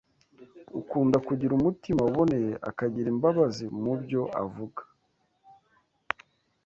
Ukunda kugira umutima uboneye akagira imbabazi mu byo avuga